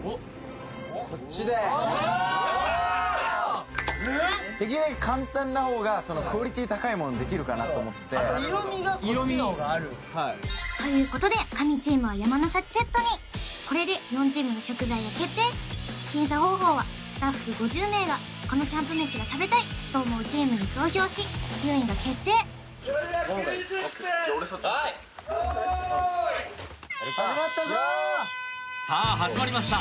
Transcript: こっちでおお・えっ？できるだけ簡単なほうがそのクオリティー高いものできるかなと思って色味はいということで神チームは山の幸セットにこれで４チームの食材が決定審査方法はスタッフ５０名がこのキャンプ飯が食べたいと思うチームに投票し順位が決定さあ始まりました